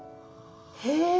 へえ。